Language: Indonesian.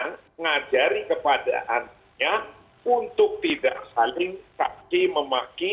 mengajari kepada anaknya untuk tidak saling kaki memaki